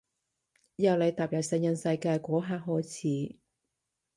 由你踏入成人世界嗰刻開始